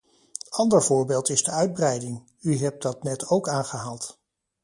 Ander voorbeeld is de uitbreiding, u hebt dat net ook aangehaald.